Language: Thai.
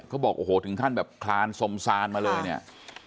เขาบอกโอ้โหถึงขั้นแบบคลานสมซานมาเลยเนี่ย